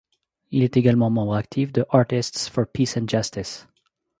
Il est également membre actif de Artists For Peace and Justice.